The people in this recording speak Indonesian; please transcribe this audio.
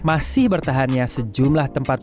masih bertahannya sejumlah tempat